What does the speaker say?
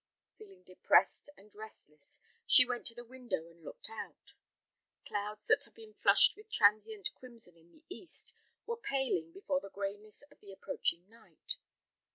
Feeling depressed and restless, she went to the window and looked out. Clouds that had been flushed with transient crimson in the east, were paling before the grayness of the approaching night.